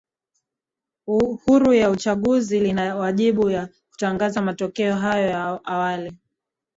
e huru ya uchanguzi ina wajibu wa kutangaza matokeo hayo ya awali